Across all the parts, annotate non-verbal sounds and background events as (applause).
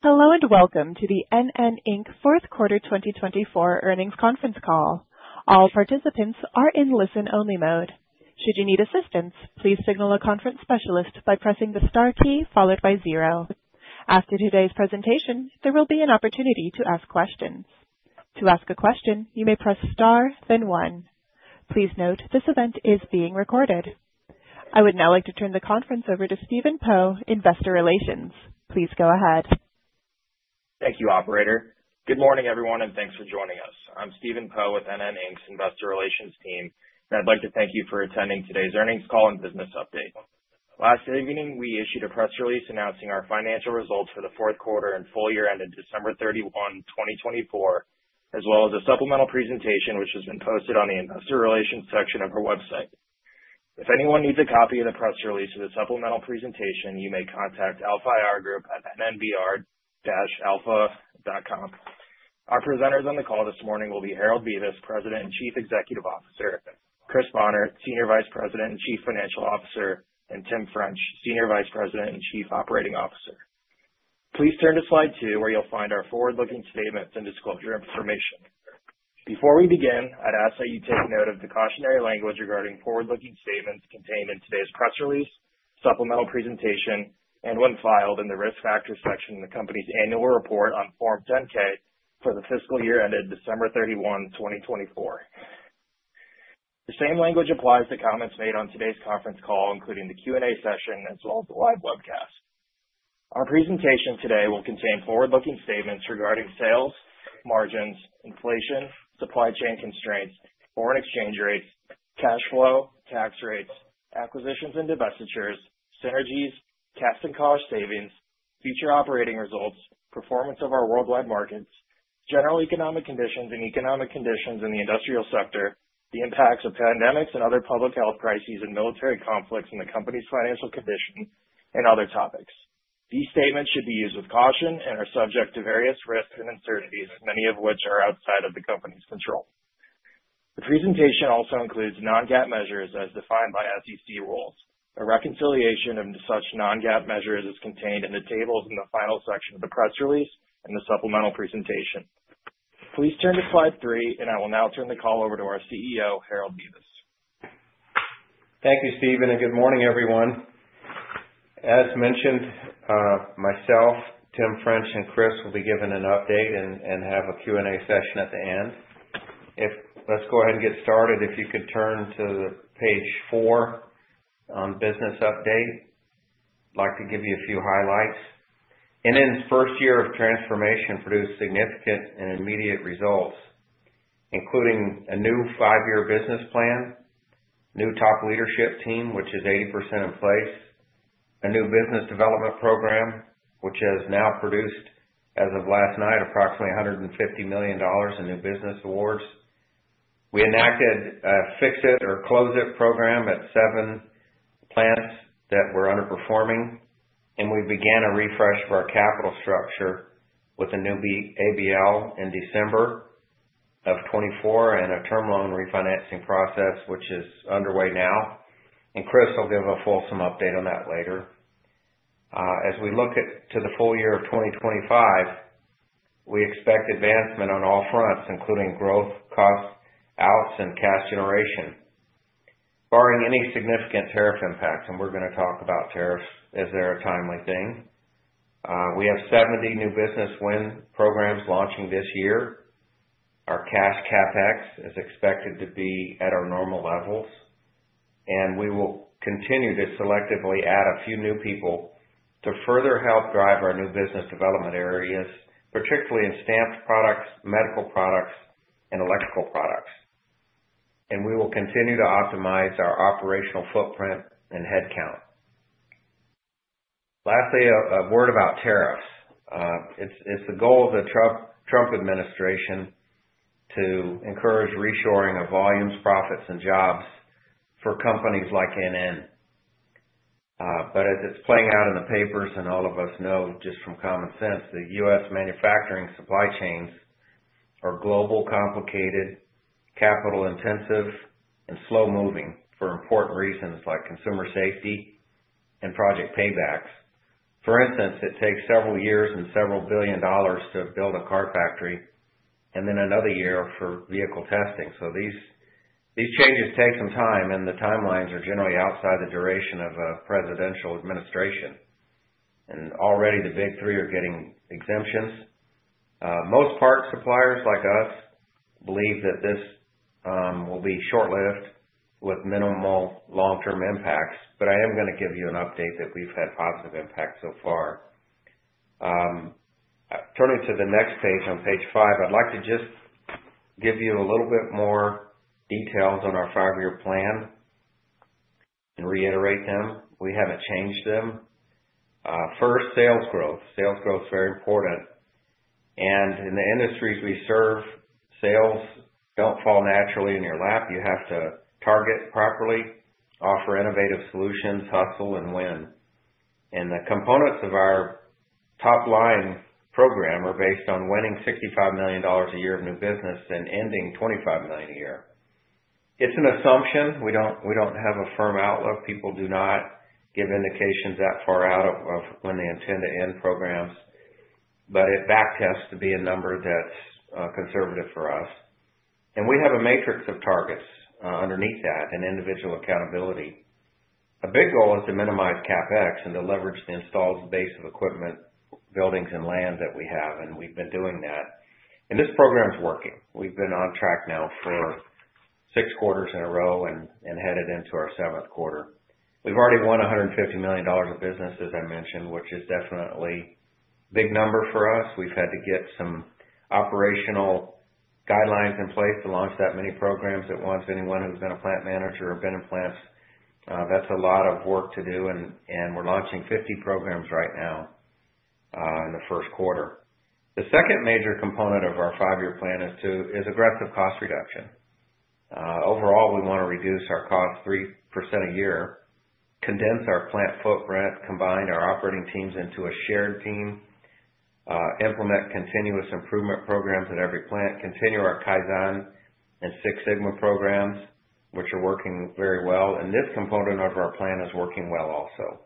Hello and welcome to the NN fourth quarter 2024 earnings conference call. All participants are in listen-only mode. Should you need assistance, please signal a conference specialist by pressing the star key followed by zero. After today's presentation, there will be an opportunity to ask questions. To ask a question, you may press star, then one. Please note this event is being recorded. I would now like to turn the conference over to Stephen Poe, Investor Relations. Please go ahead. Thank you, Operator. Good morning, everyone, and thanks for joining us. I'm Stephen Poe with NN's Investor Relations team, and I'd like to thank you for attending today's earnings call and business update. Last evening, we issued a press release announcing our financial results for the fourth quarter and full year ended December 31, 2024, as well as a supplemental presentation which has been posted on the Investor Relations section of our website. If anyone needs a copy of the press release or the supplemental presentation, you may contact Alpha IR Group at NNBR@alpha-ir.com. Our presenters on the call this morning will be Harold Bevis, President and Chief Executive Officer; Chris Bohnert, Senior Vice President and Chief Financial Officer; and Tim French, Senior Vice President and Chief Operating Officer. Please turn to slide two, where you'll find our forward-looking statements and disclosure information. Before we begin, I'd ask that you take note of the cautionary language regarding forward-looking statements contained in today's press release, supplemental presentation, and when filed in the risk factors section of the company's annual report on Form 10-K for the fiscal year ended December 31, 2024. The same language applies to comments made on today's conference call, including the Q&A session, as well as the live webcast. Our presentation today will contain forward-looking statements regarding sales, margins, inflation, supply chain constraints, foreign exchange rates, cash flow, tax rates, acquisitions and divestitures, synergies, cost and cost savings, future operating results, performance of our worldwide markets, general economic conditions and economic conditions in the industrial sector, the impacts of pandemics and other public health crises and military conflicts in the company's financial condition, and other topics. These statements should be used with caution and are subject to various risks and uncertainties, many of which are outside of the company's control. The presentation also includes non-GAAP measures as defined by SEC rules. A reconciliation of such non-GAAP measures is contained in the tables in the final section of the press release and the supplemental presentation. Please turn to slide three, and I will now turn the call over to our CEO, Harold Bevis. Thank you, Stephen, and good morning, everyone. As mentioned, myself, Tim French, and Chris will be giving an update and have a Q&A session at the end. Let's go ahead and get started. If you could turn to page four on business update, I'd like to give you a few highlights. NN's first year of transformation produced significant and immediate results, including a new five-year business plan, new top leadership team, which is 80% in place, a new business development program, which has now produced, as of last night, approximately $150 million in new business awards. We enacted a fix-it or close-it program at seven plants that were underperforming, and we began a refresh of our capital structure with a new ABL in December of 2024 and a term loan refinancing process, which is underway now. Chris will give a fulsome update on that later. As we look to the full year of 2025, we expect advancement on all fronts, including growth, cost outs, and cash generation, barring any significant tariff impacts, and we're going to talk about tariffs as they're a timely thing. We have 70 new business win programs launching this year. Our cash CapEx is expected to be at our normal levels, and we will continue to selectively add a few new people to further help drive our new business development areas, particularly in stamped products, medical products, and electrical products. We will continue to optimize our operational footprint and headcount. Lastly, a word about tariffs. It's the goal of the Trump administration to encourage reshoring of volumes, profits, and jobs for companies like NN. As it's playing out in the papers and all of us know just from common sense, the U.S. Manufacturing supply chains are global, complicated, capital-intensive, and slow-moving for important reasons like consumer safety and project paybacks. For instance, it takes several years and several billion dollars to build a car factory and then another year for vehicle testing. These changes take some time, and the timelines are generally outside the duration of a presidential administration. Already, the Big Three are getting exemptions. Most parts suppliers like us believe that this will be short-lived with minimal long-term impacts, but I am going to give you an update that we've had positive impacts so far. Turning to the next page on page five, I'd like to just give you a little bit more details on our five-year plan and reiterate them. We haven't changed them. First, sales growth. Sales growth is very important. In the industries we serve, sales don't fall naturally in your lap. You have to target properly, offer innovative solutions, hustle, and win. The components of our top-line program are based on winning $65 million a year of new business and ending $25 million a year. It's an assumption. We don't have a firm outlook. People do not give indications that far out of when they intend to end programs, but it backtests to be a number that's conservative for us. We have a matrix of targets underneath that and individual accountability. A big goal is to minimize CapEx and to leverage the installed base of equipment, buildings, and land that we have, and we've been doing that. This program's working. We've been on track now for six quarters in a row and headed into our seventh quarter. We've already won $150 million of business, as I mentioned, which is definitely a big number for us. We've had to get some operational guidelines in place to launch that many programs at once. Anyone who's been a plant manager or been in plants, that's a lot of work to do, and we're launching 50 programs right now in the first quarter. The second major component of our five-year plan is aggressive cost reduction. Overall, we want to reduce our costs 3% a year, condense our plant footprint, combine our operating teams into a shared team, implement continuous improvement programs at every plant, continue our Kaizen and Six Sigma programs, which are working very well. This component of our plan is working well also.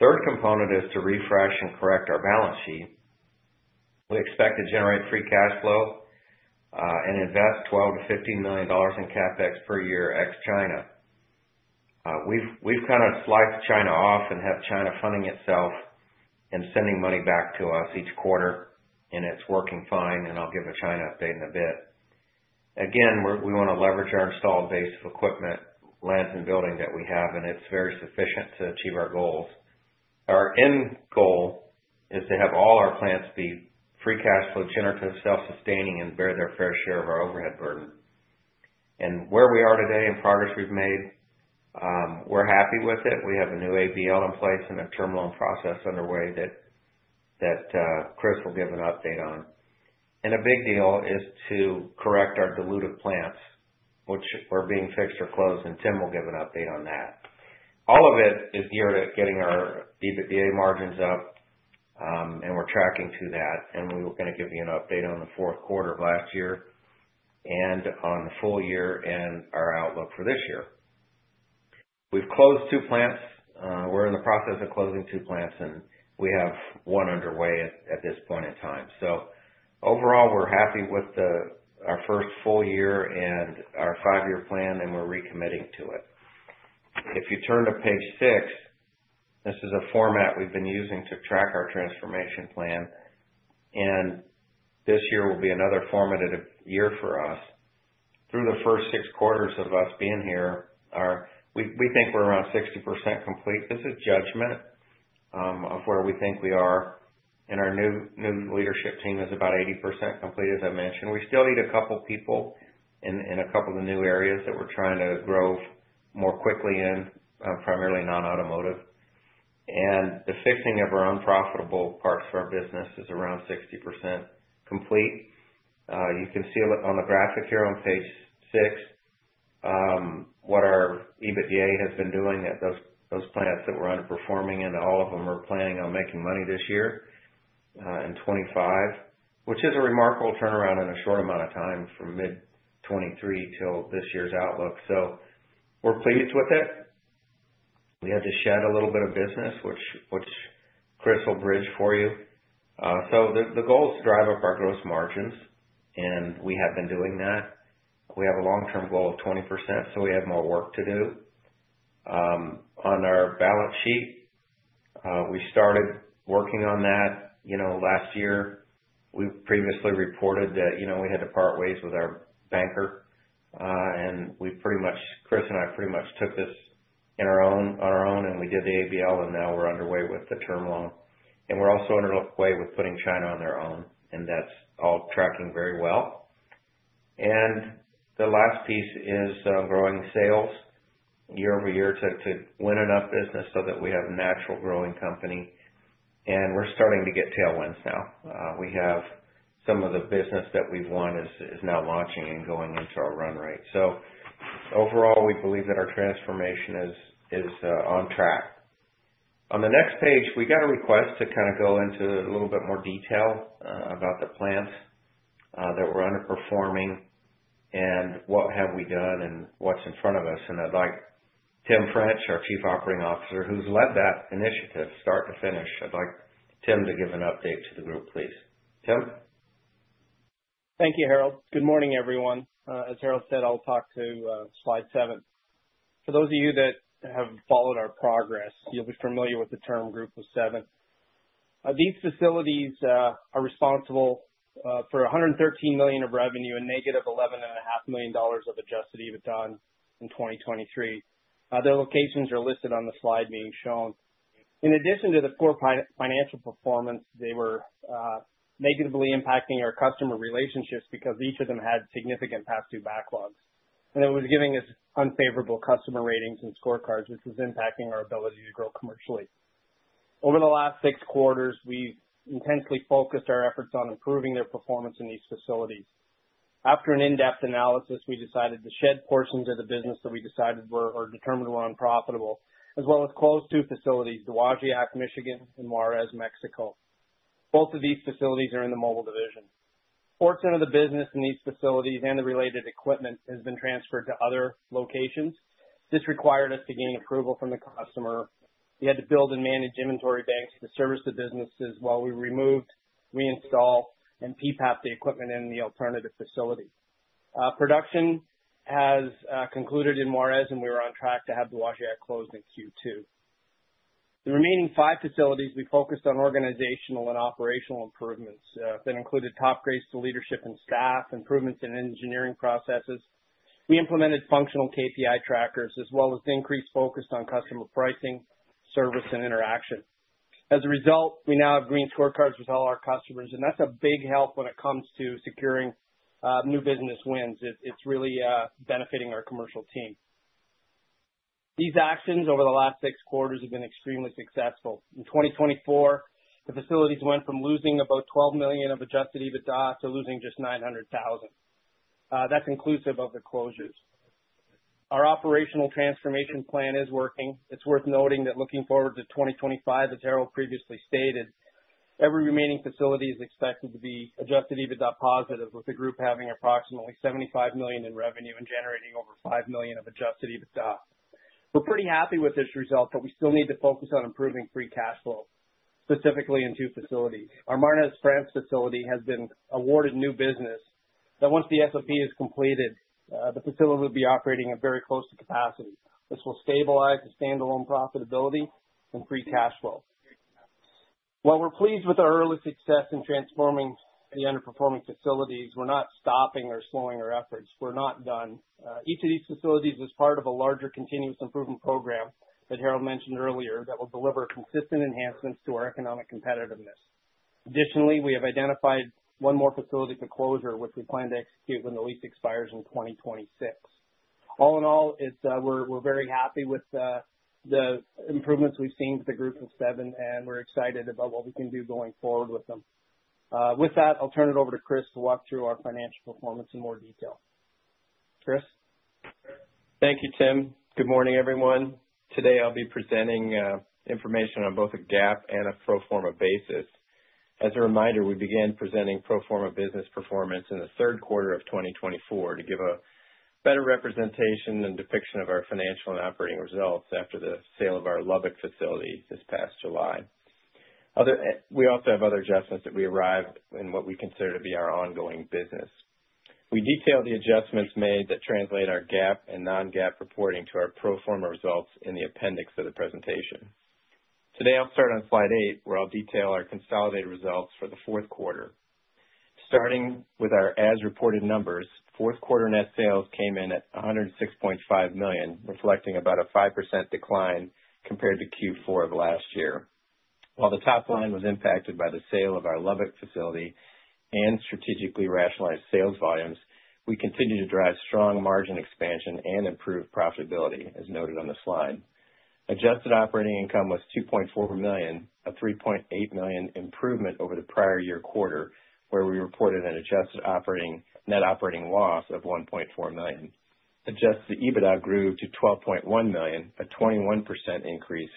The third component is to refresh and correct our balance sheet. We expect to generate free cash flow and invest $12-$15 million in CapEx per year ex-China. We've kind of sliced China off and have China funding itself and sending money back to us each quarter, and it's working fine, and I'll give a China update in a bit. Again, we want to leverage our installed base of equipment, plants, and building that we have, and it's very sufficient to achieve our goals. Our end goal is to have all our plants be free cash flow, generative, self-sustaining, and bear their fair share of our overhead burden. Where we are today and progress we've made, we're happy with it. We have a new ABL in place and a term loan process underway that Chris will give an update on. A big deal is to correct our diluted plants, which are being fixed or closed, and Tim will give an update on that. All of it is geared at getting our EBITDA margins up, and we're tracking to that. We were going to give you an update on the fourth quarter of last year and on the full year and our outlook for this year. We've closed two plants. We're in the process of closing two plants, and we have one underway at this point in time. Overall, we're happy with our first full year and our five-year plan, and we're recommitting to it. If you turn to page six, this is a format we've been using to track our transformation plan, and this year will be another formative year for us. Through the first six quarters of us being here, we think we're around 60% complete. This is judgment of where we think we are, and our new leadership team is about 80% complete, as I mentioned. We still need a couple of people in a couple of the new areas that we're trying to grow more quickly in, primarily non-automotive. The fixing of our unprofitable parts of our business is around 60% complete. You can see on the graphic here on page six what our EBITDA has been doing at those plants that were underperforming, and all of them are planning on making money this year in 2025, which is a remarkable turnaround in a short amount of time from mid-2023 till this year's outlook. We are pleased with it. We had to shed a little bit of business, which Chris will bridge for you. The goal is to drive up our gross margins, and we have been doing that. We have a long-term goal of 20%, so we have more work to do. On our balance sheet, we started working on that last year. We previously reported that we had to part ways with our banker, and Chris and I pretty much took this on our own, and we did the ABL, and now we're underway with the term loan. We're also underway with putting China on their own, and that's all tracking very well. The last piece is growing sales year-over-year to win enough business so that we have a natural growing company. We're starting to get tailwinds now. We have some of the business that we've won is now launching and going into our run rate. Overall, we believe that our transformation is on track. On the next page, we got a request to kind of go into a little bit more detail about the plants that were underperforming and what have we done and what's in front of us. I would like Tim French, our Chief Operating Officer, who's led that initiative start to finish, I would like Tim to give an update to the group, please. Tim? Thank you, Harold. Good morning, everyone. As Harold said, I'll talk to slide seven. For those of you that have followed our progress, you'll be familiar with the term group of seven. These facilities are responsible for $113 million of revenue and negative $11.5 million of adjusted EBITDA in 2023. Their locations are listed on the slide being shown. In addition to the poor financial performance, they were negatively impacting our customer relationships because each of them had significant past due backlogs. It was giving us unfavorable customer ratings and scorecards, which was impacting our ability to grow commercially. Over the last six quarters, we've intensely focused our efforts on improving their performance in these facilities. After an in-depth analysis, we decided to shed portions of the business that we decided were or determined were unprofitable, as well as close two facilities, Dowagiac, Michigan, and Juárez, Mexico. Both of these facilities are in the Mobile division. Portion of the business in these facilities and the related equipment has been transferred to other locations. This required us to gain approval from the customer. We had to build and manage inventory banks to service the businesses while we removed, reinstalled, and PPAP the equipment in the alternative facility. Production has concluded in Juárez, and we were on track to have Dowagiac closed in Q2. The remaining five facilities, we focused on organizational and operational improvements. That included top grades to leadership and staff, improvements in engineering processes. We implemented functional KPI trackers, as well as increased focus on customer pricing, service, and interaction. As a result, we now have green scorecards with all our customers, and that's a big help when it comes to securing new business wins. It's really benefiting our commercial team. These actions over the last six quarters have been extremely successful. In 2024, the facilities went from losing about $12 million of adjusted EBITDA to losing just $900,000. That's inclusive of the closures. Our operational transformation plan is working. It's worth noting that looking forward to 2025, as Harold previously stated, every remaining facility is expected to be adjusted EBITDA positive, with the group having approximately $75 million in revenue and generating over $5 million of adjusted EBITDA. We're pretty happy with this result, but we still need to focus on improving free cash flow, specifically in two facilities. Our Marnaz, France facility has been awarded new business that once the SOP is completed, the facility will be operating at very close to capacity. This will stabilize the standalone profitability and free cash flow. While we're pleased with our early success in transforming the underperforming facilities, we're not stopping or slowing our efforts. We're not done. Each of these facilities is part of a larger continuous improvement program that Harold mentioned earlier that will deliver consistent enhancements to our economic competitiveness. Additionally, we have identified one more facility for closure, which we plan to execute when the lease expires in 2026. All in all, we're very happy with the improvements we've seen with the group of seven, and we're excited about what we can do going forward with them. With that, I'll turn it over to Chris to walk through our financial performance in more detail. Chris? Thank you, Tim. Good morning, everyone. Today, I'll be presenting information on both a GAAP and a pro forma basis. As a reminder, we began presenting pro forma business performance in the third quarter of 2024 to give a better representation and depiction of our financial and operating results after the sale of our Lubbock facility this past July. We also have other adjustments that we arrived in what we consider to be our ongoing business. We detailed the adjustments made that translate our GAAP and non-GAAP reporting to our pro forma results in the appendix of the presentation. Today, I'll start on slide eight, where I'll detail our consolidated results for the fourth quarter. Starting with our as-reported numbers, fourth quarter net sales came in at $106.5 million, reflecting about a 5% decline compared to Q4 of last year. While the top line was impacted by the sale of our Lubbock facility and strategically rationalized sales volumes, we continue to drive strong margin expansion and improved profitability, as noted on the slide. Adjusted operating income was $2.4 million, a $3.8 million improvement over the prior year quarter, where we reported an adjusted net operating loss of $1.4 million. Adjusted EBITDA grew to $12.1 million, a 21% increase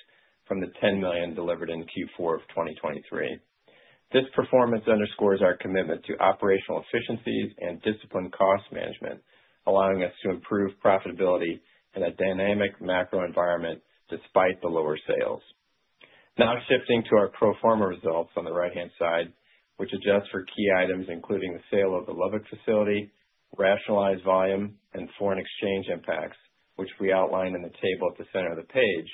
from the $10 million delivered in Q4 of 2023. This performance underscores our commitment to operational efficiencies and disciplined cost management, allowing us to improve profitability in a dynamic macro environment despite the lower sales. Now shifting to our pro forma results on the right-hand side, which adjust for key items, including the sale of the Lubbock facility, rationalized volume, and foreign exchange impacts, which we outlined in the table at the center of the page.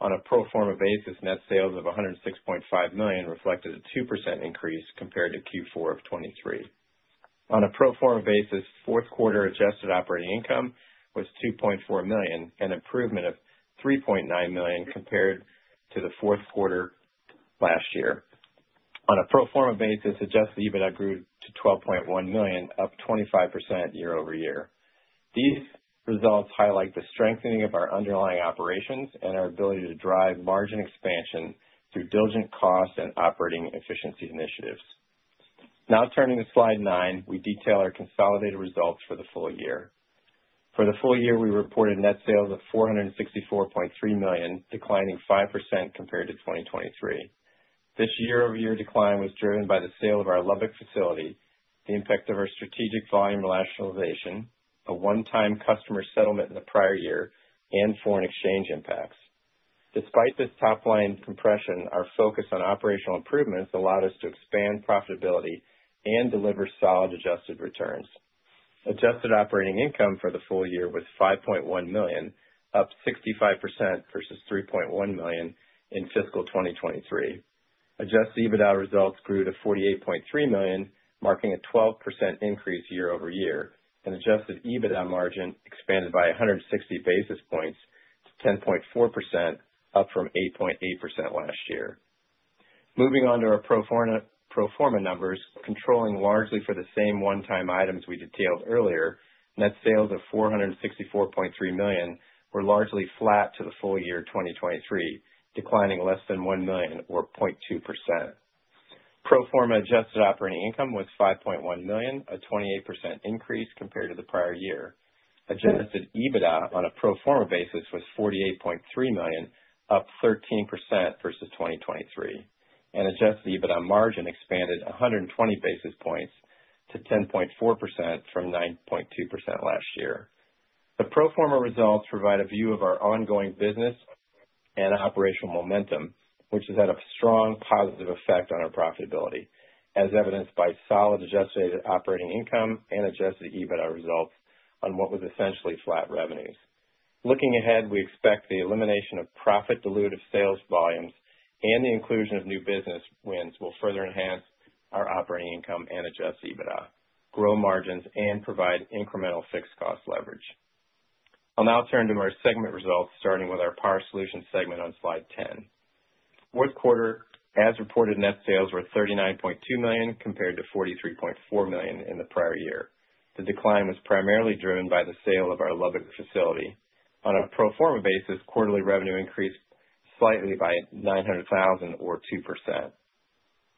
On a pro forma basis, net sales of $106.5 million reflected a 2% increase compared to Q4 of 2023. On a pro forma basis, fourth quarter adjusted operating income was $2.4 million, an improvement of $3.9 million compared to the fourth quarter last year. On a pro forma basis, adjusted EBITDA grew to $12.1 million, up 25% year-over-year. These results highlight the strengthening of our underlying operations and our ability to drive margin expansion through diligent cost and operating efficiency initiatives. Now turning to slide nine, we detail our consolidated results for the full year. For the full year, we reported net sales of $464.3 million, declining 5% compared to 2023. This year-over-year decline was driven by the sale of our Lubbock facility, the impact of our strategic volume rationalization, a one-time customer settlement in the prior year, and foreign exchange impacts. Despite this top line compression, our focus on operational improvements allowed us to expand profitability and deliver solid adjusted returns. Adjusted operating income for the full year was $5.1 million, up 65% versus $3.1 million in fiscal 2023. Adjusted EBITDA results grew to $48.3 million, marking a 12% increase year-over-year, and adjusted EBITDA margin expanded by 160 basis points to 10.4%, up from 8.8% last year. Moving on to our pro forma numbers, controlling largely for the same one-time items we detailed earlier, net sales of $464.3 million were largely flat to the full year 2023, declining less than $1 million or 0.2%. Pro forma adjusted operating income was $5.1 million, a 28% increase compared to the prior year. Adjusted EBITDA on a pro forma basis was $48.3 million, up 13% versus 2023. Adjusted EBITDA margin expanded 120 basis points to 10.4% from 9.2% last year. The pro forma results provide a view of our ongoing business and operational momentum, which has had a strong positive effect on our profitability, as evidenced by solid adjusted operating income and adjusted EBITDA results on what was essentially flat revenues. Looking ahead, we expect the elimination of profit-dilutive sales volumes and the inclusion of new business wins will further enhance our operating income and adjusted EBITDA, grow margins, and provide incremental fixed cost leverage. I'll now turn to our segment results, starting with our Power Solutions segment on slide 10. Fourth quarter, as reported, net sales were $39.2 million compared to $43.4 million in the prior year. The decline was primarily driven by the sale of our Lubbock facility. On a pro forma basis, quarterly revenue increased slightly by $900,000 or 2%.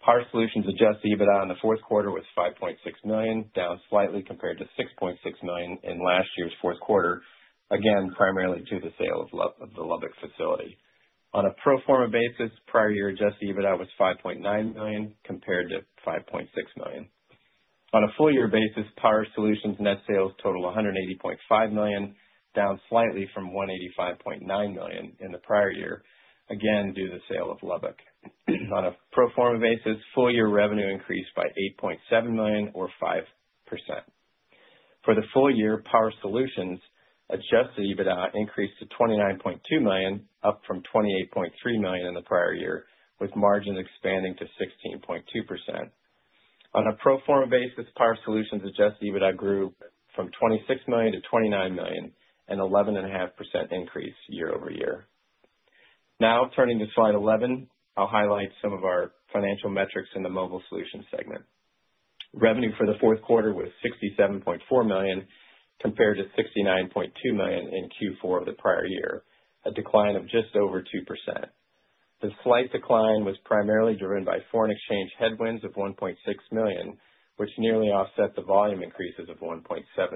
Power Solutions adjusted EBITDA in the fourth quarter was $5.6 million, down slightly compared to $6.6 million in last year's fourth quarter, again, primarily due to the sale of the Lubbock facility. On a pro forma basis, prior year adjusted EBITDA was $5.9 million compared to $5.6 million. On a full year basis, Power Solutions net sales totaled $180.5 million, down slightly from $185.9 million in the prior year, again, due to the sale of Lubbock. On a pro forma basis, full year revenue increased by $8.7 million or 5%. For the full year, Power Solutions adjusted EBITDA increased to $29.2 million, up from $28.3 million in the prior year, with margins expanding to 16.2%. On a pro forma basis, Power Solutions adjusted EBITDA grew from $26 million to $29 million, an 11.5% increase year-over-year. Now turning to slide 11, I'll highlight some of our financial metrics in the Mobile Solutions segment. Revenue for the fourth quarter was $67.4 million compared to $69.2 million in Q4 of the prior year, a decline of just over 2%. The slight decline was primarily driven by foreign exchange headwinds of $1.6 million, which nearly offset the volume increases of $1.7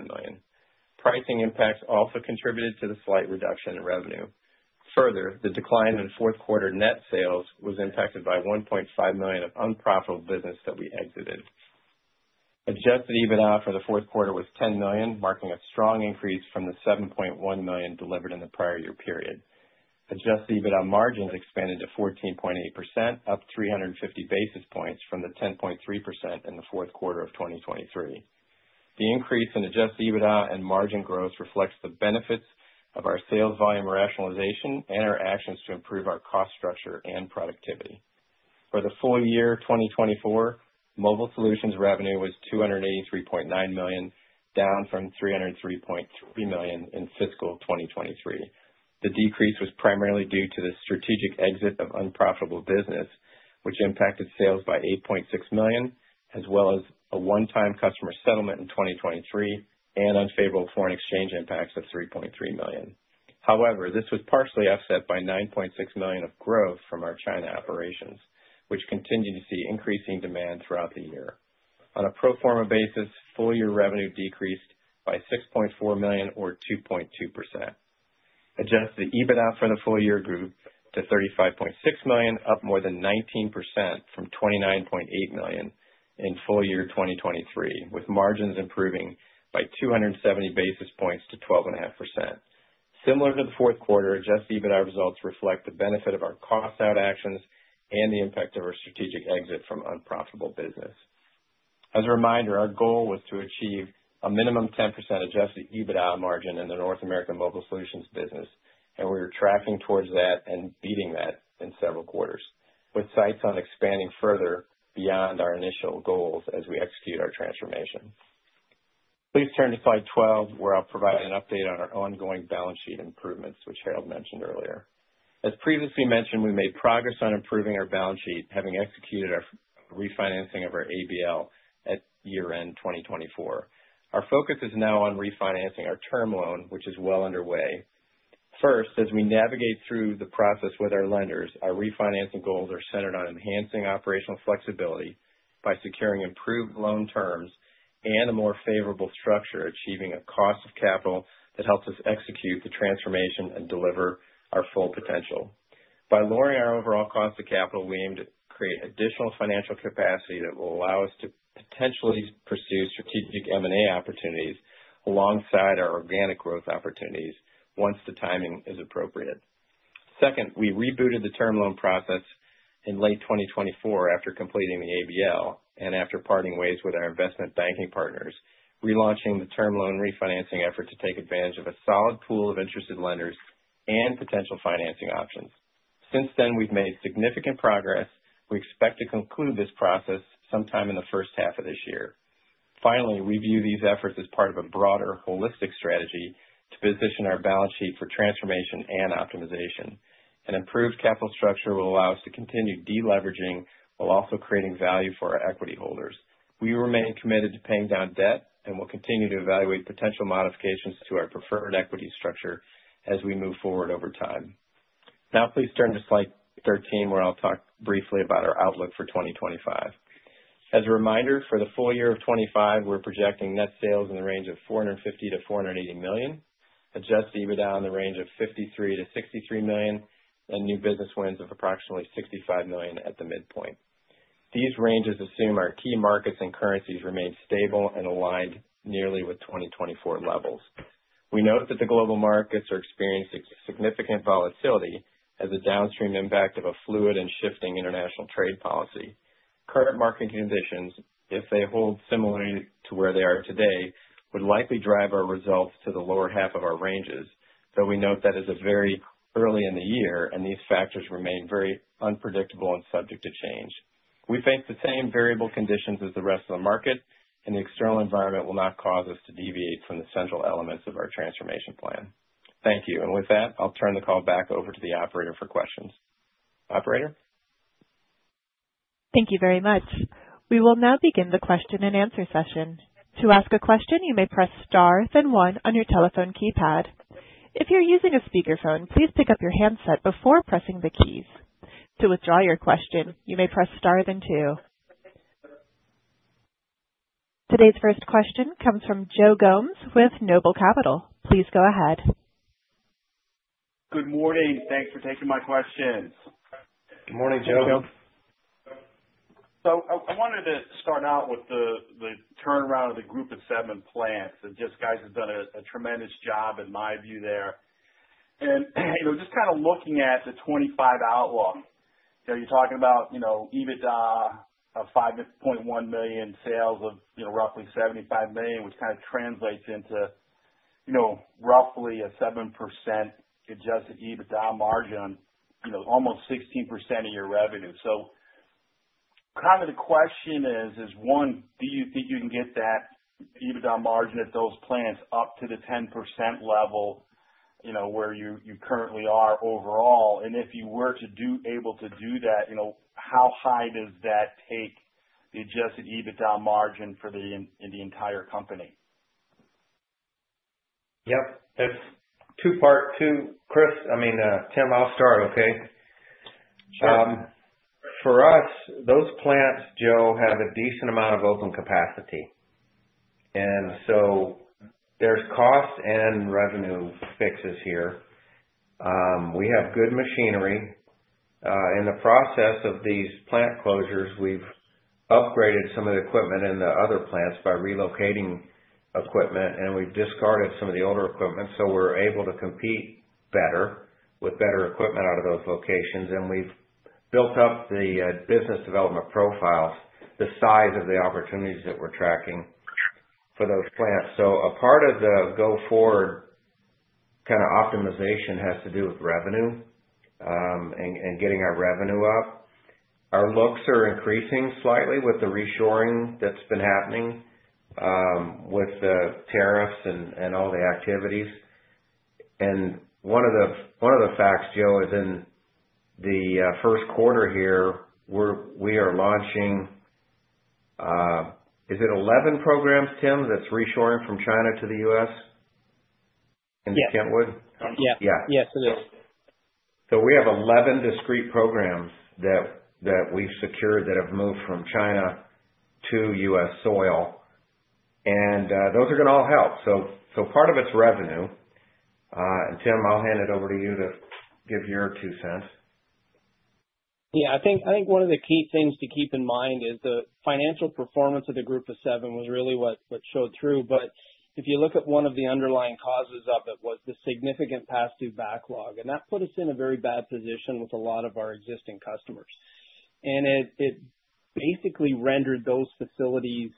million. Pricing impacts also contributed to the slight reduction in revenue. Further, the decline in fourth quarter net sales was impacted by $1.5 million of unprofitable business that we exited. Adjusted EBITDA for the fourth quarter was $10 million, marking a strong increase from the $7.1 million delivered in the prior year period. Adjusted EBITDA margins expanded to 14.8%, up 350 basis points from the 10.3% in the fourth quarter of 2023. The increase in adjusted EBITDA and margin growth reflects the benefits of our sales volume rationalization and our actions to improve our cost structure and productivity. For the full year 2024, Mobile Solutions revenue was $283.9 million, down from $303.3 million in fiscal 2023. The decrease was primarily due to the strategic exit of unprofitable business, which impacted sales by $8.6 million, as well as a one-time customer settlement in 2023 and unfavorable foreign exchange impacts of $3.3 million. However, this was partially offset by $9.6 million of growth from our China operations, which continued to see increasing demand throughout the year. On a pro forma basis, full year revenue decreased by $6.4 million or 2.2%. Adjusted EBITDA for the full year grew to $35.6 million, up more than 19% from $29.8 million in full year 2023, with margins improving by 270 basis points to 12.5%. Similar to the fourth quarter, adjusted EBITDA results reflect the benefit of our cost-out actions and the impact of our strategic exit from unprofitable business. As a reminder, our goal was to achieve a minimum 10% adjusted EBITDA margin in the North American Mobile Solutions business, and we were tracking towards that and beating that in several quarters, with sights on expanding further beyond our initial goals as we execute our transformation. Please turn to slide 12, where I'll provide an update on our ongoing balance sheet improvements, which Harold mentioned earlier. As previously mentioned, we made progress on improving our balance sheet, having executed our refinancing of our ABL at year-end 2024. Our focus is now on refinancing our term loan, which is well underway. First, as we navigate through the process with our lenders, our refinancing goals are centered on enhancing operational flexibility by securing improved loan terms and a more favorable structure, achieving a cost of capital that helps us execute the transformation and deliver our full potential. By lowering our overall cost of capital, we aim to create additional financial capacity that will allow us to potentially pursue strategic M&A opportunities alongside our organic growth opportunities once the timing is appropriate. Second, we rebooted the term loan process in late 2024 after completing the ABL and after parting ways with our investment banking partners, relaunching the term loan refinancing effort to take advantage of a solid pool of interested lenders and potential financing options. Since then, we've made significant progress. We expect to conclude this process sometime in the first half of this year. Finally, we view these efforts as part of a broader holistic strategy to position our balance sheet for transformation and optimization. An improved capital structure will allow us to continue deleveraging while also creating value for our equity holders. We remain committed to paying down debt and will continue to evaluate potential modifications to our preferred equity structure as we move forward over time. Now, please turn to slide 13, where I'll talk briefly about our outlook for 2025. As a reminder, for the full year of 2025, we're projecting net sales in the range of $450 million-$480 million, adjusted EBITDA in the range of $53 million-$63 million, and new business wins of approximately $65 million at the midpoint. These ranges assume our key markets and currencies remain stable and aligned nearly with 2024 levels. We note that the global markets are experiencing significant volatility as a downstream impact of a fluid and shifting international trade policy. Current market conditions, if they hold similarly to where they are today, would likely drive our results to the lower half of our ranges, though we note that it is very early in the year, and these factors remain very unpredictable and subject to change. We think the same variable conditions as the rest of the market and the external environment will not cause us to deviate from the central elements of our transformation plan. Thank you. With that, I'll turn the call back over to the operator for questions. Operator? Thank you very much. We will now begin the question and answer session. To ask a question, you may press star then one on your telephone keypad. If you're using a speakerphone, please pick up your handset before pressing the keys. To withdraw your question, you may press star then two. Today's first question comes from Joe Gomes with Noble Capital. Please go ahead. Good morning. Thanks for taking my questions. Good morning, Joe. I wanted to start out with the turnaround of the group of seven plants. The disc guys have done a tremendous job, in my view, there. Just kind of looking at the 2025 outlook, you're talking about EBITDA of $5.1 million, sales of roughly $75 million, which kind of translates into roughly a 7% adjusted EBITDA margin, almost 16% of your revenue. Kind of the question is, one, do you think you can get that EBITDA margin at those plants up to the 10% level where you currently are overall? If you were to be able to do that, how high does that take the adjusted EBITDA margin for the entire company? Yep. That's two-part. Chris, I mean, Tim, I'll start, okay? Sure. For us, those plants, Joe, have a decent amount of open capacity. There is cost and revenue fixes here. We have good machinery. In the process of these plant closures, we have upgraded some of the equipment in the other plants by relocating equipment, and we have discarded some of the older equipment so we are able to compete better with better equipment out of those locations. We have built up the business development profiles, the size of the opportunities that we are tracking for those plants. A part of the go-forward kind of optimization has to do with revenue and getting our revenue up. Our looks are increasing slightly with the reshoring that has been happening with the tariffs and all the activities. One of the facts, Joe, is in the first quarter here, we are launching—is it 11 programs, Tim, that is reshoring from China to the U.S. in Kentwood? Yes. Yes. Yes, it is. We have 11 discrete programs that we've secured that have moved from China to U.S. soil. Those are going to all help. Part of it is revenue. Tim, I'll hand it over to you to give your two cents. Yeah. I think one of the key things to keep in mind is the financial performance of the group of seven was really what showed through. If you look at one of the underlying causes of it, it was the significant past due backlog. That put us in a very bad position with a lot of our existing customers. It basically rendered those facilities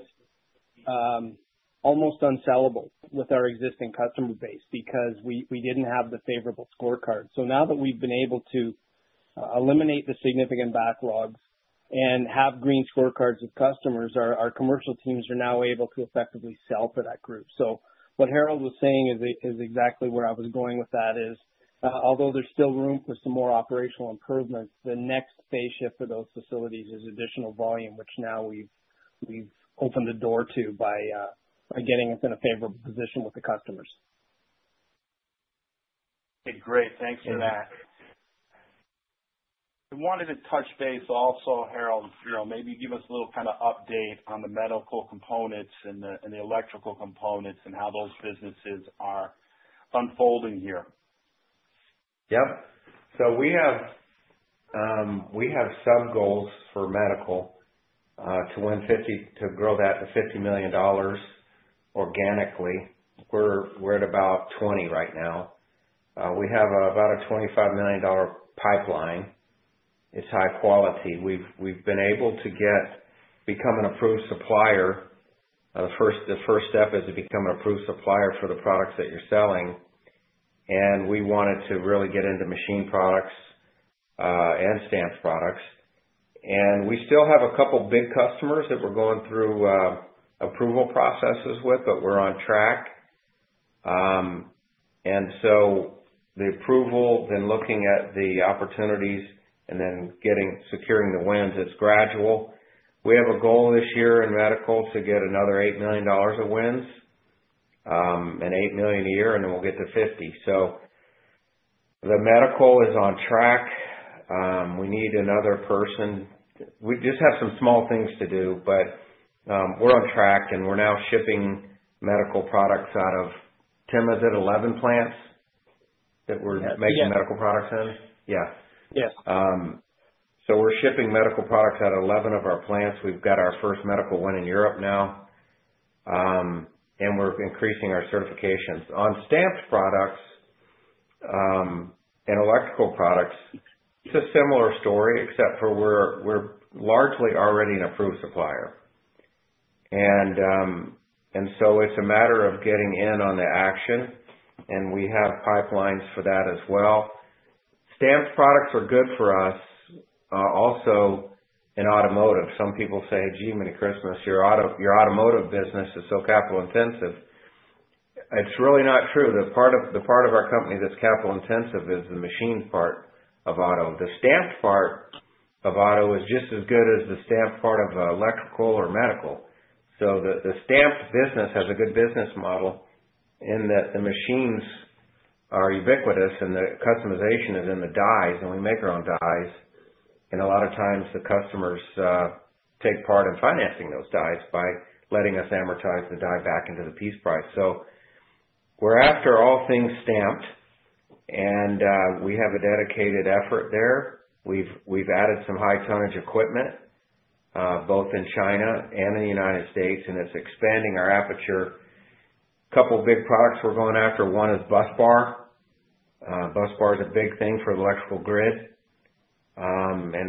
almost unsellable with our existing customer base because we did not have the favorable scorecard. Now that we have been able to eliminate the significant backlog and have green scorecards of customers, our commercial teams are now able to effectively sell to that group. What Harold was saying is exactly where I was going with that is, although there's still room for some more operational improvements, the next spaceship for those facilities is additional volume, which now we've opened the door to by getting us in a favorable position with the customers. Okay. Great. Thanks for that. I wanted to touch base also, Harold, maybe give us a little kind of update on the medical components and the electrical components and how those businesses are unfolding here. Yep. We have sub-goals for medical to grow that to $50 million organically. We're at about $20 million right now. We have about a $25 million pipeline. It's high quality. We've been able to become an approved supplier. The first step is to become an approved supplier for the products that you're selling. We wanted to really get into machine products and stamped products. We still have a couple of big customers that we're going through approval processes with, but we're on track. The approval, then looking at the opportunities and then securing the wins, it's gradual. We have a goal this year in medical to get another $8 million of wins and $8 million a year, and then we'll get to $50 million. The medical is on track. We need another person. We just have some small things to do, but we're on track. We're now shipping medical products out of—Tim, is it 11 plants that we're making medical products in? Yes. Yeah. Yes. We're shipping medical products out of 11 of our plants. We've got our first medical one in Europe now. We're increasing our certifications. On stamped products and electrical products, it's a similar story, except for we're largely already an approved supplier. It's a matter of getting in on the action. We have pipelines for that as well. Stamped products are good for us. Also, in automotive, some people say, "Gee, (audio distortion) your automotive business is so capital-intensive." It's really not true. The part of our company that's capital-intensive is the machine part of auto. The stamped part of auto is just as good as the stamped part of electrical or medical. The stamped business has a good business model in that the machines are ubiquitous and the customization is in the dies. We make our own dies. A lot of times, the customers take part in financing those dies by letting us amortize the die back into the piece price. We are after all things stamped. We have a dedicated effort there. We have added some high-tonnage equipment both in China and in the United States. It is expanding our aperture. A couple of big products we are going after. One is busbar. busbar is a big thing for the electrical grid.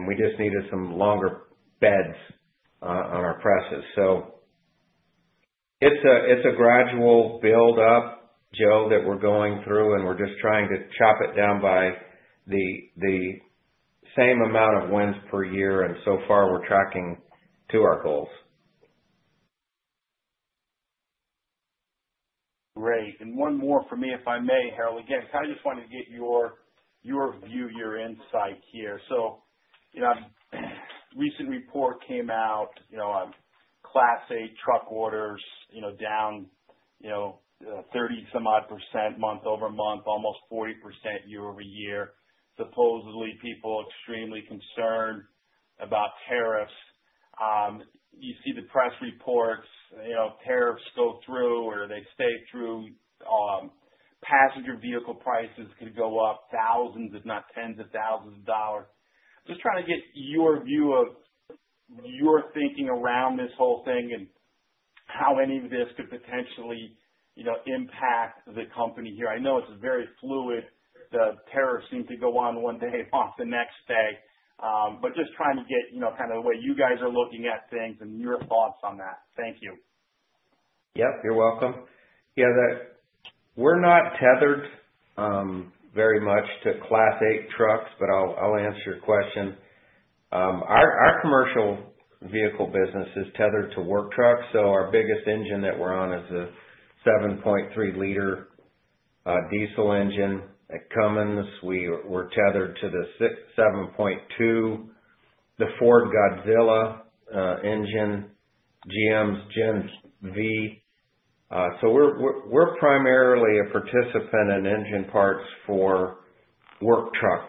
We just needed some longer beds on our presses. It is a gradual build-up, Joe, that we are going through. We are just trying to chop it down by the same amount of wins per year. So far, we are tracking to our goals. Great. One more for me, if I may, Harold. Again, just wanted to get your view, your insight here. A recent report came out on Class 8 truck orders down 30-some-odd % month-over-month, almost 40% year-over-year. Supposedly, people are extremely concerned about tariffs. You see the press reports. Tariffs go through or they stay through. Passenger vehicle prices can go up thousands, if not tens of thousands of dollars. Just trying to get your view of your thinking around this whole thing and how any of this could potentially impact the company here. I know it's very fluid. The tariffs seem to go on one day, off the next day. Just trying to get the way you guys are looking at things and your thoughts on that. Thank you. Yep. You're welcome. Yeah. We're not tethered very much to Class 8 trucks, but I'll answer your question. Our commercial vehicle business is tethered to work trucks. So our biggest engine that we're on is a 7.3-liter diesel engine. At Cummins, we're tethered to the 7.2, the Ford Godzilla engine, GM's Gen V. So we're primarily a participant in engine parts for work truck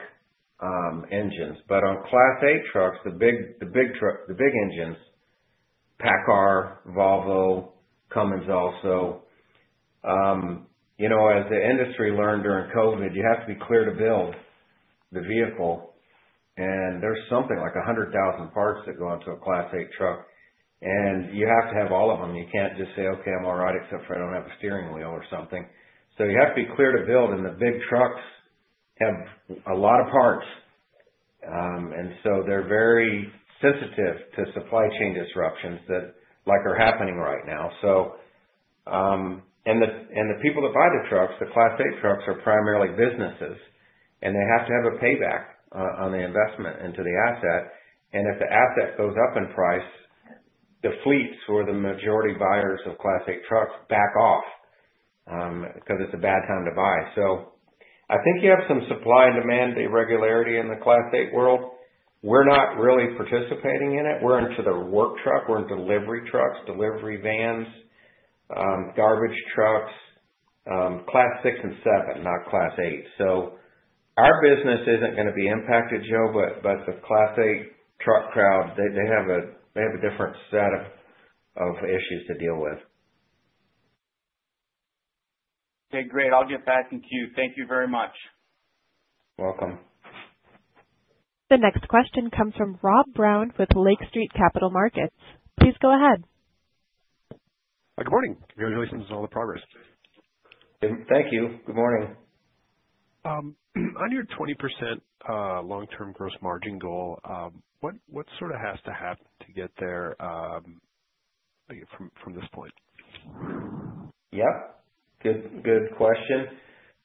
engines. On Class 8 trucks, the big engines—PACCAR, Volvo, Cummins also—as the industry learned during COVID, you have to be clear to build the vehicle. There's something like 100,000 parts that go into a Class 8 truck. You have to have all of them. You can't just say, "Okay, I'm all right, except for I don't have a steering wheel or something." You have to be clear to build. The big trucks have a lot of parts. They are very sensitive to supply chain disruptions like are happening right now. The people that buy the trucks, the Class 8 trucks, are primarily businesses. They have to have a payback on the investment into the asset. If the asset goes up in price, the fleets or the majority buyers of Class 8 trucks back off because it is a bad time to buy. I think you have some supply and demand irregularity in the Class 8 world. We are not really participating in it. We are into the work truck. We are into delivery trucks, delivery vans, garbage trucks, Class 6 and 7, not Class 8. Our business is not going to be impacted, Joe, but the Class 8 truck crowd, they have a different set of issues to deal with. Okay. Great. I'll get back in queue. Thank you very much. Welcome. The next question comes from Rob Brown with Lake Street Capital Markets. Please go ahead. Good morning. Congratulations on all the progress. Thank you. Good morning. On your 20% long-term gross margin goal, what sort of has to happen to get there from this point? Yep. Good question.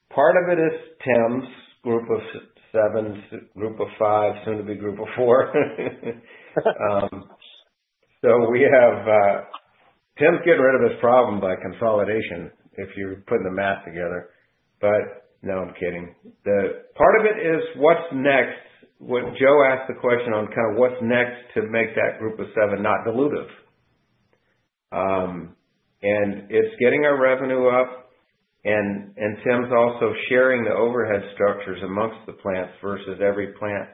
Part of it is Tim's group of seven, group of five, soon to be group of four. Tim's getting rid of his problem by consolidation, if you're putting the math together. No, I'm kidding. Part of it is what's next. Joe asked the question on kind of what's next to make that group of seven not dilutive. It's getting our revenue up. Tim's also sharing the overhead structures amongst the plants versus every plant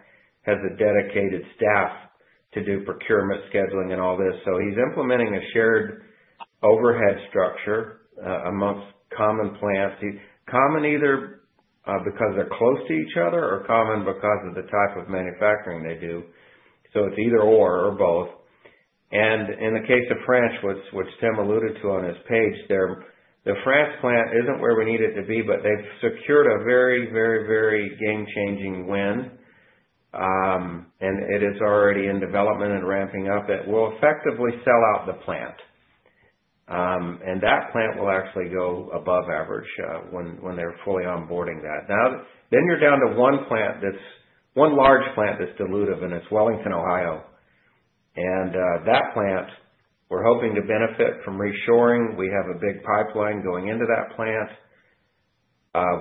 has a dedicated staff to do procurement scheduling and all this. He's implementing a shared overhead structure amongst common plants. Common either because they're close to each other or common because of the type of manufacturing they do. It's either/or or both. In the case of France, which Tim alluded to on his page, the France plant isn't where we need it to be, but they've secured a very, very, very game-changing win. It is already in development and ramping up that will effectively sell out the plant. That plant will actually go above average when they're fully onboarding that. You are down to one large plant that's dilutive, and it's Wellington, Ohio. That plant, we're hoping to benefit from reshoring. We have a big pipeline going into that plant.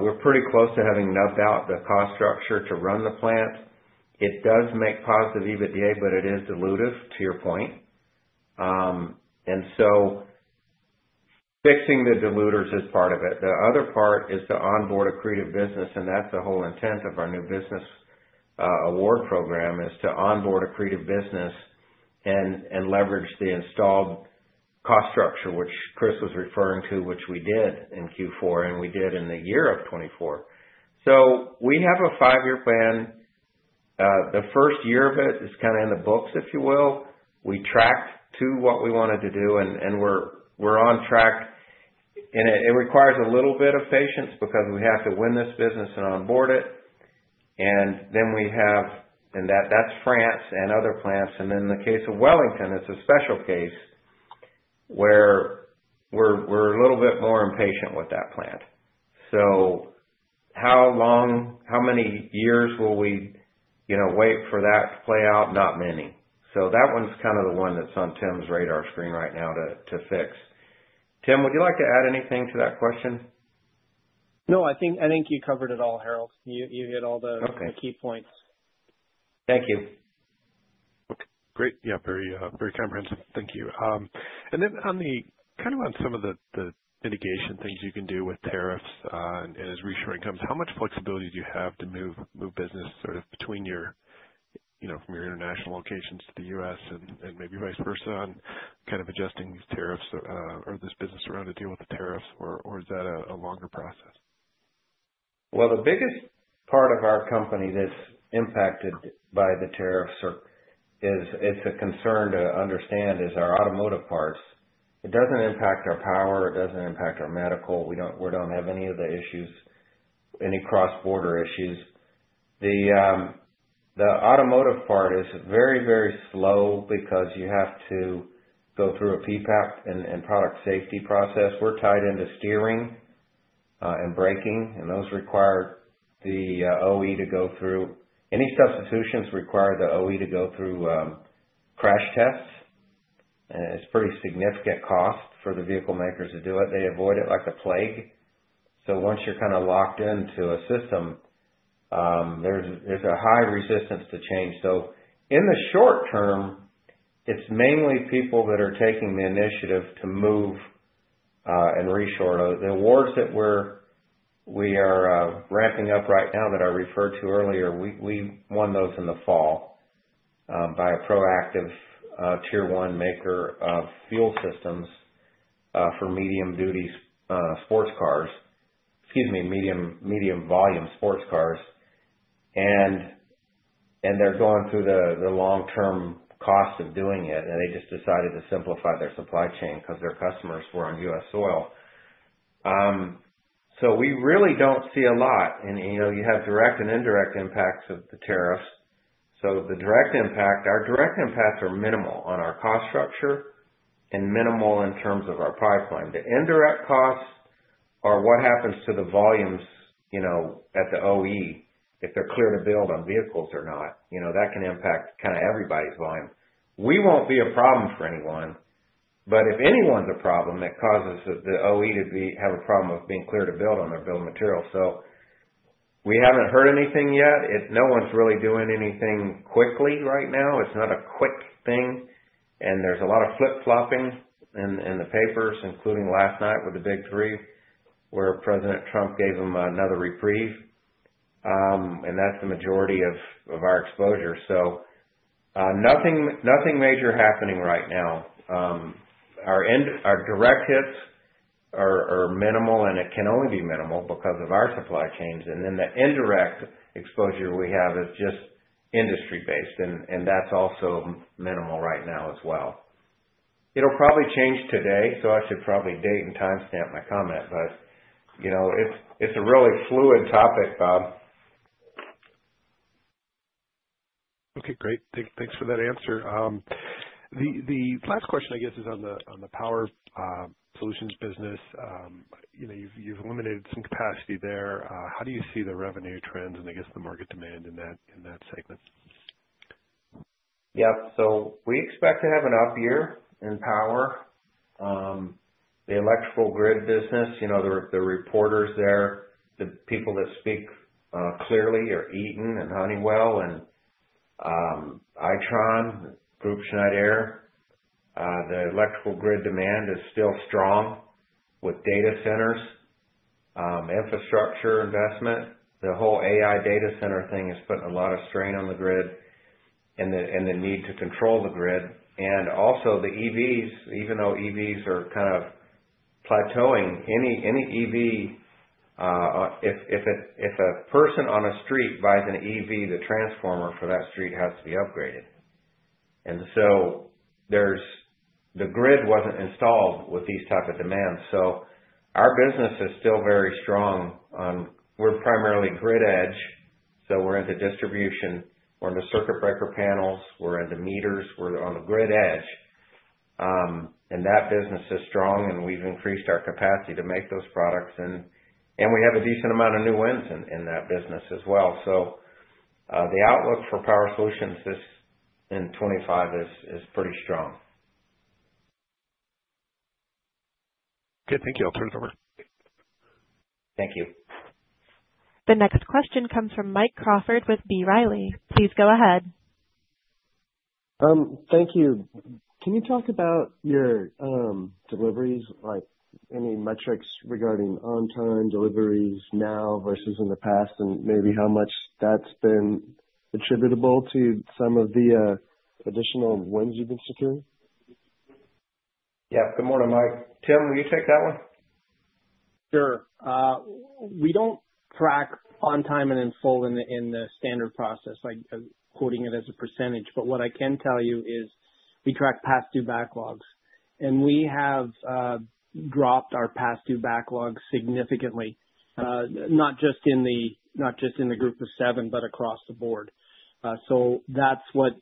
We're pretty close to having knocked out the cost structure to run the plant. It does make positive EBITDA, but it is dilutive, to your point. Fixing the dilutors is part of it. The other part is to onboard accretive business. That is the whole intent of our new business award program, to onboard a creative business and leverage the installed cost structure, which Chris was referring to, which we did in Q4, and we did in the year of 2024. We have a five-year plan. The first year of it is kind of in the books, if you will. We tracked to what we wanted to do. We are on track. It requires a little bit of patience because we have to win this business and onboard it. We have—that is France and other plants. In the case of Wellington, it is a special case where we are a little bit more impatient with that plant. How many years will we wait for that to play out? Not many. That one's kind of the one that's on Tim's radar screen right now to fix. Tim, would you like to add anything to that question? No. I think you covered it all, Harold. You hit all the key points. Thank you. Okay. Great. Yeah. Very comprehensive. Thank you. Then kind of on some of the mitigation things you can do with tariffs and as reshoring comes, how much flexibility do you have to move business sort of between your international locations to the U.S. and maybe vice versa on kind of adjusting these tariffs or this business around to deal with the tariffs? Is that a longer process? The biggest part of our company that's impacted by the tariffs is a concern to understand is our automotive parts. It doesn't impact our power. It doesn't impact our medical. We don't have any of the issues, any cross-border issues. The automotive part is very, very slow because you have to go through a PPAP and product safety process. We're tied into steering and braking. Those require the OE to go through. Any substitutions require the OE to go through crash tests. It's a pretty significant cost for the vehicle makers to do it. They avoid it like a plague. Once you're kind of locked into a system, there's a high resistance to change. In the short term, it's mainly people that are taking the initiative to move and reshore. The awards that we are ramping up right now that I referred to earlier, we won those in the fall by a proactive Tier 1s maker of fuel systems for medium-volume sports cars. They are going through the long-term cost of doing it. They just decided to simplify their supply chain because their customers were on U.S. soil. We really do not see a lot. You have direct and indirect impacts of the tariffs. Our direct impacts are minimal on our cost structure and minimal in terms of our pipeline. The indirect costs are what happens to the volumes at the OE, if they are clear to build on vehicles or not. That can impact kind of everybody's volume. We will not be a problem for anyone. If anyone's a problem, it causes the OE to have a problem of being clear to build on their bill of materials. We haven't heard anything yet. No one's really doing anything quickly right now. It's not a quick thing. There is a lot of flip-flopping in the papers, including last night with the Big Three, where President Trump gave them another reprieve. That's the majority of our exposure. Nothing major happening right now. Our direct hits are minimal. It can only be minimal because of our supply chains. The indirect exposure we have is just industry-based. That's also minimal right now as well. It'll probably change today. I should probably date and timestamp my comment. It's a really fluid topic, Rob. Okay. Great. Thanks for that answer. The last question, I guess, is on the Power Solutions business. You've eliminated some capacity there. How do you see the revenue trends and, I guess, the market demand in that segment? Yep. We expect to have an up year in power. The electrical grid business, the reporters there, the people that speak clearly are Eaton and Honeywell and Itron, Groupe Schneider. The electrical grid demand is still strong with data centers, infrastructure investment. The whole AI data center thing is putting a lot of strain on the grid and the need to control the grid. Also the EVs, even though EVs are kind of plateauing, any EV, if a person on a street buys an EV, the transformer for that street has to be upgraded. The grid was not installed with these types of demands. Our business is still very strong. We are primarily grid edge. We are into distribution. We are into circuit breaker panels. We are into meters. We are on the grid edge. That business is strong. We have increased our capacity to make those products. We have a decent amount of new wins in that business as well. The outlook for Power Solutions in 2025 is pretty strong. Okay. Thank you. I'll turn it over. Thank you. The next question comes from Mike Crawford with B. Riley. Please go ahead. Thank you. Can you talk about your deliveries, any metrics regarding on-time deliveries now versus in the past, and maybe how much that's been attributable to some of the additional wins you've been securing? Yep. Good morning, Mike. Tim, will you take that one? Sure. We do not track on-time and in full in the standard process, quoting it as a percentage. What I can tell you is we track past-due backlogs. We have dropped our past-due backlog significantly, not just in the group of seven, but across the board. That is what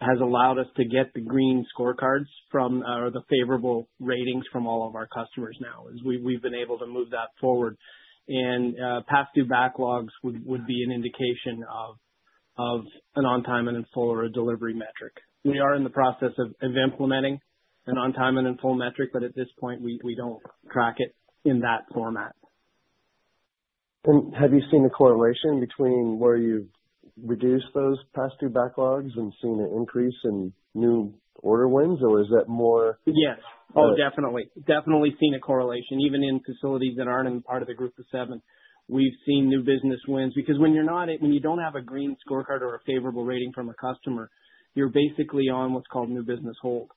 has allowed us to get the green scorecards or the favorable ratings from all of our customers now. We have been able to move that forward. Past-due backlogs would be an indication of an on-time and in full or a delivery metric. We are in the process of implementing an on-time and in full metric. At this point, we do not track it in that format. Have you seen a correlation between where you've reduced those past-due backlogs and seen an increase in new order wins? Or is that more? Yes. Oh, definitely. Definitely seen a correlation. Even in facilities that are not in part of the group of seven, we have seen new business wins. Because when you do not have a green scorecard or a favorable rating from a customer, you are basically on what is called new business hold.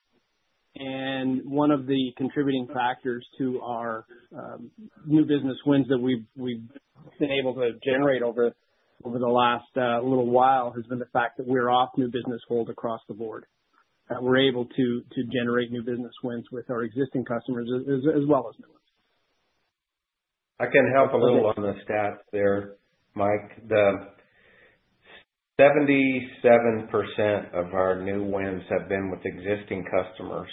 One of the contributing factors to our new business wins that we have been able to generate over the last little while has been the fact that we are off new business hold across the board. We are able to generate new business wins with our existing customers as well as new ones. I can help a little on the stats there, Mike. 77% of our new wins have been with existing customers.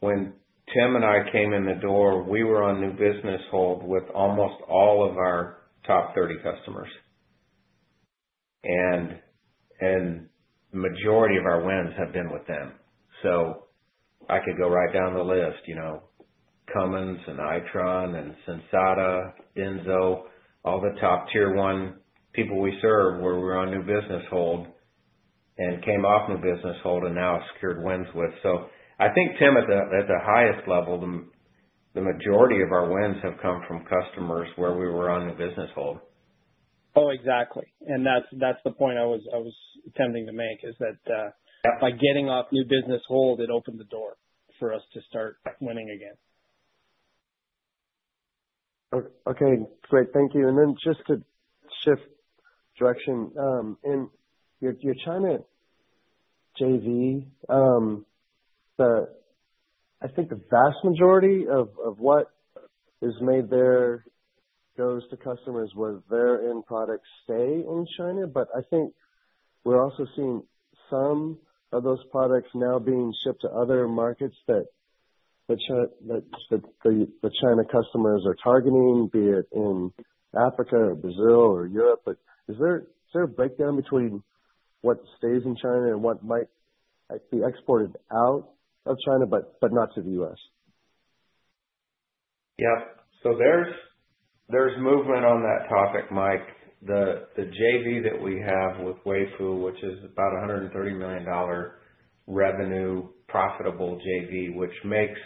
When Tim and I came in the door, we were on new business hold with almost all of our top 30 customers. The majority of our wins have been with them. I could go right down the list: Cummins and Itron and Sensata, Denso, all the top Tier 1 people we serve where we were on new business hold and came off new business hold and now have secured wins with. I think, Tim, at the highest level, the majority of our wins have come from customers where we were on new business hold. Exactly. That's the point I was attempting to make is that by getting off new business hold, it opened the door for us to start winning again. Okay. Great. Thank you. Just to shift direction, your China JV. I think the vast majority of what is made there goes to customers where their end products stay in China. I think we're also seeing some of those products now being shipped to other markets that the China customers are targeting, be it in Africa or Brazil or Europe. Is there a breakdown between what stays in China and what might be exported out of China but not to the U.S.? Yep. There is movement on that topic, Mike. The JV that we have with Weifu, which is about a $130 million revenue profitable JV, which makes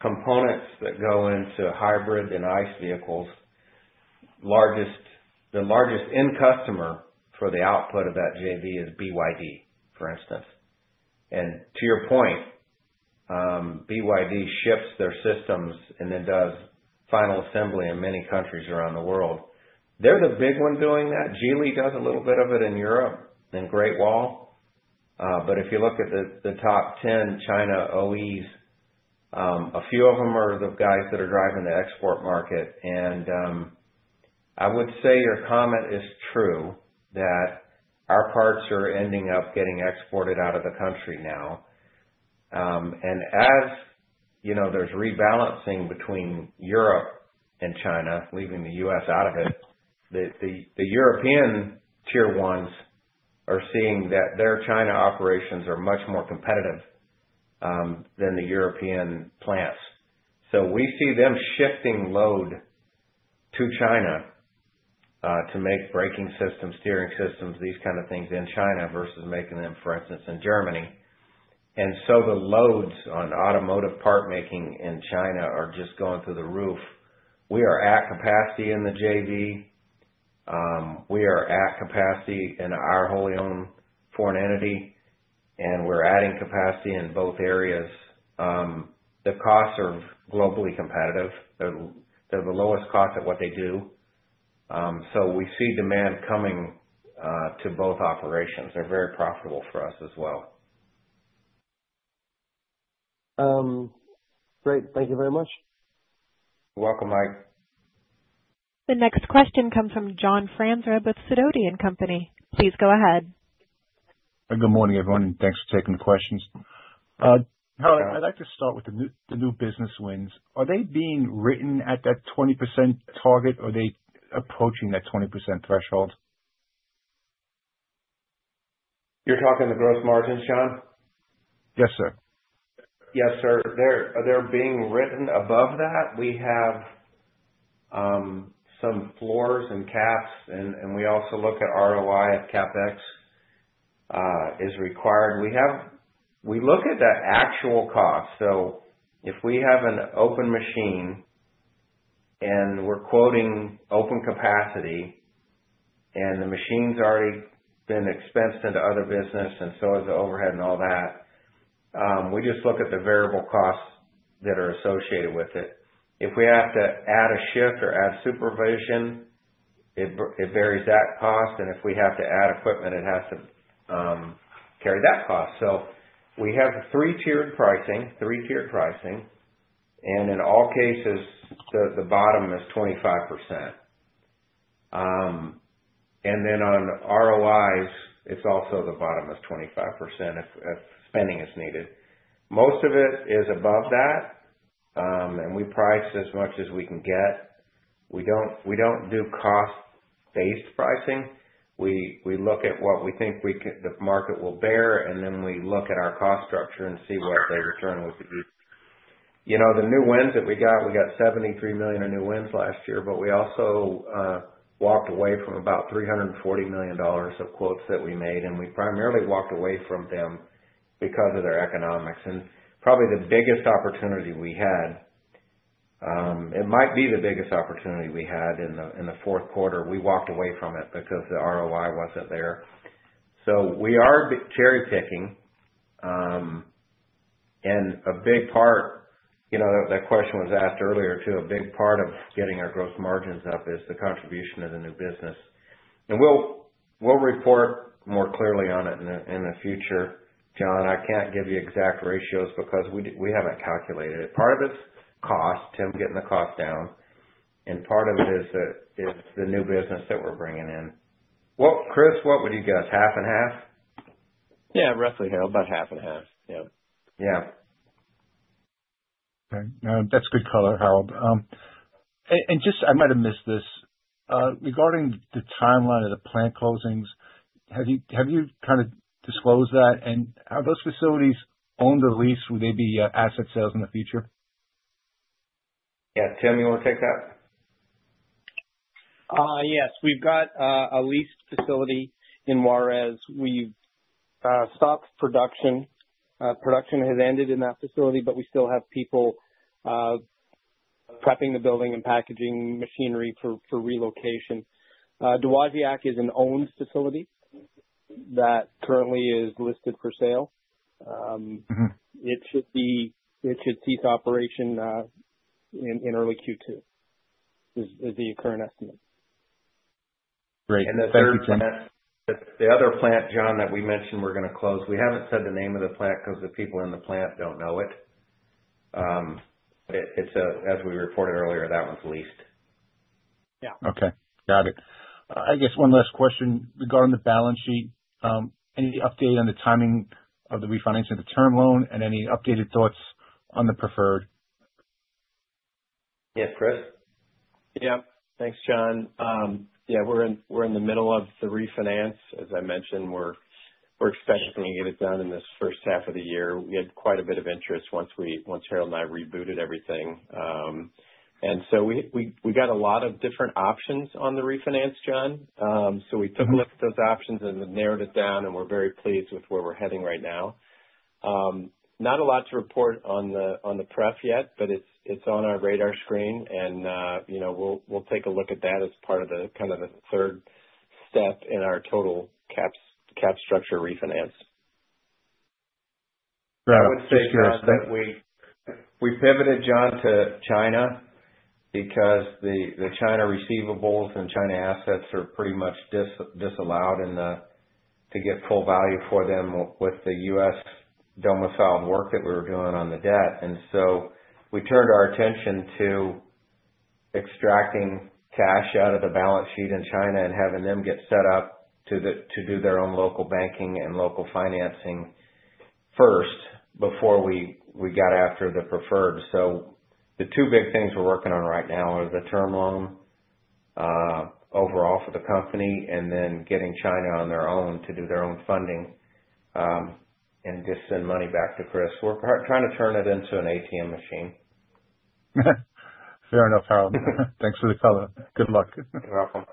components that go into hybrid and ICE vehicles. The largest end customer for the output of that JV is BYD, for instance. To your point, BYD ships their systems and then does final assembly in many countries around the world. They are the big one doing that. Geely does a little bit of it in Europe and Great Wall. If you look at the top 10 China OEs, a few of them are the guys that are driving the export market. I would say your comment is true that our parts are ending up getting exported out of the country now. As there's rebalancing between Europe and China, leaving the U.S. out of it, the European Tier 1s are seeing that their China operations are much more competitive than the European plants. We see them shifting load to China to make braking systems, steering systems, these kinds of things in China versus making them, for instance, in Germany. The loads on automotive part-making in China are just going through the roof. We are at capacity in the JV. We are at capacity in our wholly owned foreign entity. We're adding capacity in both areas. The costs are globally competitive. They're the lowest cost at what they do. We see demand coming to both operations. They're very profitable for us as well. Great. Thank you very much. You're welcome, Mike. The next question comes from John Franzreb with Sidoti & Company. Please go ahead. Good morning, everyone. Thanks for taking the questions. Harold, I'd like to start with the new business wins. Are they being written at that 20% target, or are they approaching that 20% threshold? You're talking the gross margin, John? Yes, sir. Yes, sir. They're being written above that. We have some floors and caps. We also look at ROI if CapEx is required. We look at the actual cost. If we have an open machine and we're quoting open capacity and the machine's already been expensed into other business and so has the overhead and all that, we just look at the variable costs that are associated with it. If we have to add a shift or add supervision, it varies that cost. If we have to add equipment, it has to carry that cost. We have three-tiered pricing, three-tiered pricing. In all cases, the bottom is 25%. On ROIs, it's also the bottom is 25% if spending is needed. Most of it is above that. We price as much as we can get. We don't do cost-based pricing. We look at what we think the market will bear. Then we look at our cost structure and see what they return with the EV. The new wins that we got, we got $73 million in new wins last year. We also walked away from about $340 million of quotes that we made. We primarily walked away from them because of their economics. Probably the biggest opportunity we had, it might be the biggest opportunity we had in the fourth quarter, we walked away from it because the ROI was not there. We are cherry-picking. A big part, that question was asked earlier too, a big part of getting our gross margins up is the contribution of the new business. We will report more clearly on it in the future, John. I cannot give you exact ratios because we have not calculated it. Part of it's cost, Tim, getting the cost down. Part of it is the new business that we're bringing in. Chris, what would you guess? Half and half? Yeah, roughly. About half and half. Yeah. Yeah. Okay. That's good color, Harold. I might have missed this. Regarding the timeline of the plant closings, have you kind of disclosed that? Are those facilities owned or leased? Would they be asset sales in the future? Yeah. Tim, you want to take that? Yes. We've got a leased facility in Juárez. We've stopped production. Production has ended in that facility. We still have people prepping the building and packaging machinery for relocation. Dowagiac is an owned facility that currently is listed for sale. It should cease operation in early Q2 is the current estimate. Great. Thank you, Tim. The other plant, John, that we mentioned we're going to close, we haven't said the name of the plant because the people in the plant don't know it. As we reported earlier, that one's leased. Yeah. Okay. Got it. I guess one last question regarding the balance sheet. Any update on the timing of the refinancing of the term loan and any updated thoughts on the preferred? Yeah. Chris? Yeah. Thanks, John. Yeah. We're in the middle of the refinance. As I mentioned, we're expecting to get it done in this first half of the year. We had quite a bit of interest once Harold and I rebooted everything. We got a lot of different options on the refinance, John. We took a look at those options and narrowed it down. We're very pleased with where we're heading right now. Not a lot to report on the pref yet. It is on our radar screen. We'll take a look at that as part of kind of the third step in our total cap structure refinance. I would say, John, we pivoted, John, to China because the China receivables and China assets are pretty much disallowed to get full value for them with the U.S. domiciled work that we were doing on the debt. We turned our attention to extracting cash out of the balance sheet in China and having them get set up to do their own local banking and local financing first before we got after the preferred. The two big things we're working on right now are the term loan overall for the company and then getting China on their own to do their own funding and just send money back to Chris. We're trying to turn it into an ATM machine. Fair enough, Harold. Thanks for the color. Good luck. You're welcome.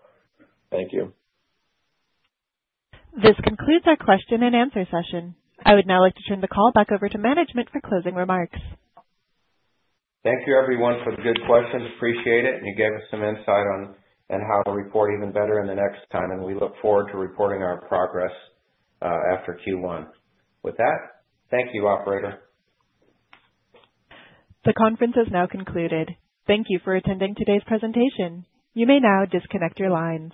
Thank you. This concludes our question and answer session. I would now like to turn the call back over to management for closing remarks Thank you, everyone, for the good questions. Appreciate it. You gave us some insight on how to report even better next time. We look forward to reporting our progress after Q1. With that, thank you, Operator. The conference has now concluded. Thank you for attending today's presentation. You may now disconnect your lines.